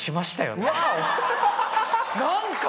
何か！